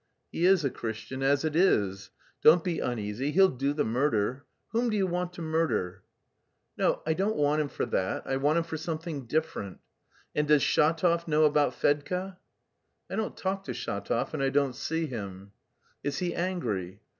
"He is a Christian as it is. Don't be uneasy, he'll do the murder. Whom do you want to murder?" "No, I don't want him for that, I want him for something different.... And does Shatov know about Fedka?" "I don't talk to Shatov, and I don't see him." "Is he angry?"